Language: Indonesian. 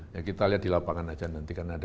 ya kita lihat di lapangan aja nanti kan ada